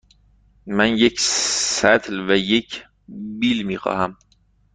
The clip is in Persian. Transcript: من یک سطل و یک بیل می خواهم.